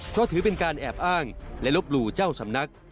เพราะถือเป็นการแอบอ้างและลบหลู่เจ้าสำนัก